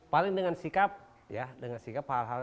paling dengan sikap ya dengan sikap hal hal